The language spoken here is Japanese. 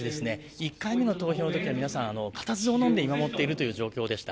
１回目の投票のときは皆さん、固唾をのんで見守ってるという所でした。